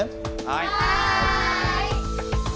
はい！